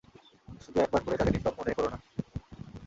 শুধু এক পার্ট পড়েই তাকে নিষ্পাপ মনে করো না।